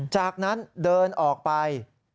จากนั้นเดินออกไป